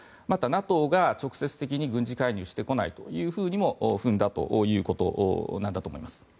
また、ＮＡＴＯが直接的に軍事介入してこないというふうにも踏んだということだと思います。